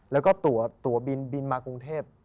แล้วก็ตัวบินบินมากรุงเทพ